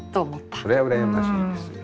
それは羨ましいですよ。